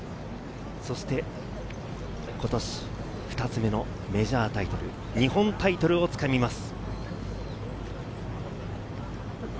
そして今年２つ目のメジャータイトル、日本タイトルをつかみます。